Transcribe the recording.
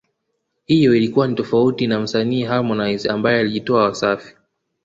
hiyo ikiwa ni tofauti na msanii Harmonize ambaye alijitoa Wasafi